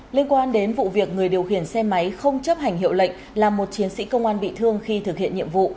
liên quan đến vụ việc người điều khiển xe máy không chấp hành hiệu lệnh làm một chiến sĩ công an bị thương khi thực hiện nhiệm vụ